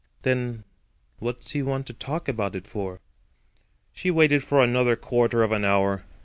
"Then what's he want to talk about it for?" She waited for another quarter of an hour.